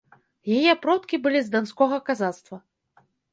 Яе продкі былі з данскога казацтва.